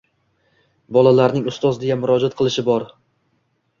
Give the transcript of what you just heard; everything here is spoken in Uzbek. Bolalarning “ustoz”, deya murojaat qilishi bor.